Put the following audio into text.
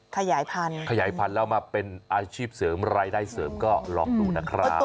ขยายพันธุ์ขยายพันธุ์แล้วมาเป็นอาชีพเสริมรายได้เสริมก็ลองดูนะครับ